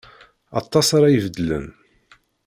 Aṭas ara ibeddlen.